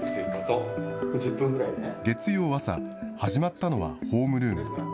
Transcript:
月曜朝、始まったのはホームルーム。